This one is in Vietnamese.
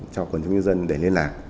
cho quần chúng nhân dân để liên lạc